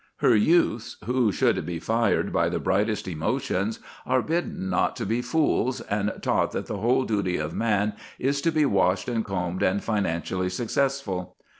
Her youths, who should be fired by the brightest emotions, are bidden not to be fools, and taught that the whole duty of man is to be washed and combed and financially successful.